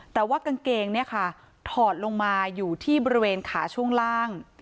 แต่ว่ากางเกงเนี่ยค่ะถอดลงมาอยู่ที่บริเวณขาช่วงล่าง